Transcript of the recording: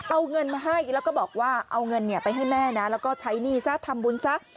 เอาเงินมาให้แล้วก็บอกว่าเอาเงินไปให้แม่นะแล้วก็ใช้หนี้ซะทำบุญซะ